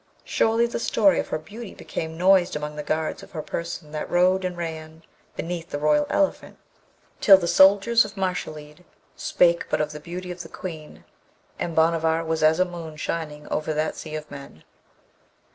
Surely the story of her beauty became noised among the guards of her person that rode and ran beneath the royal elephant, till the soldiers of Mashalleed spake but of the beauty of the Queen, and Bhanavar was as a moon shining over that sea of men.